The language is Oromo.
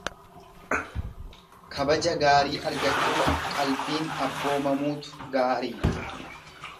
Kabaja gaarii argachuuf qalbiin abboomamuutu gaariidha.